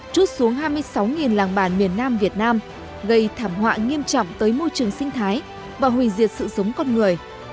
chút xuống hai mươi sáu làng bản miền nam việt nam gây thảm họa nghiêm trọng tới môi trường sinh thái và hủy diệt sự sống con người